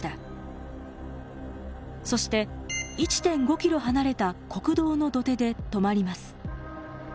そして１．５ｋｍ離れた国道の土手で止まります。